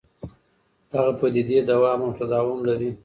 دغه پدیدې دوام او تداوم لري.